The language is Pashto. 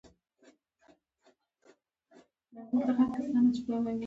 انسان د عقل او خیال تر منځ توازن ساتي.